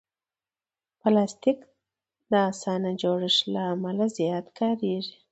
پلاستيک د اسانه جوړښت له امله زیات کارېږي.